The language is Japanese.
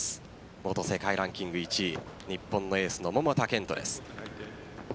元世界ランキング１位日本のエースの桃田賢斗です。